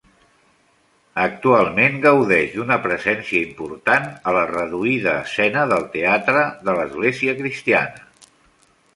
Actualment gaudeix d'una presència important a la reduïda escena del teatre de l'església cristiana.